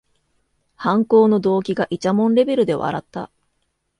犯行の動機がいちゃもんレベルで笑った